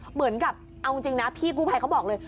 เหมือนกับเอาจริงนะพี่กู้ภัยเขาบอกเลย